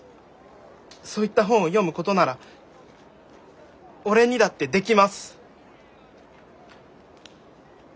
そういった本を読むことなら俺にだってできます！